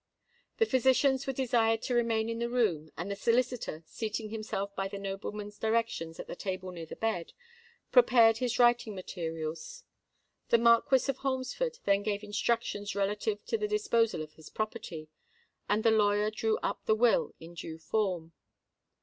The physicians were desired to remain in the room; and the solicitor, seating himself by the nobleman's directions at the table near the bed, prepared his writing materials. The Marquis of Holmesford then gave instructions relative to the disposal of his property; and the lawyer drew up the will in due form.